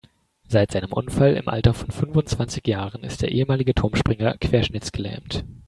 Seit seinem Unfall im Alter von fünfundzwanzig Jahren ist der ehemalige Turmspringer querschnittsgelähmt.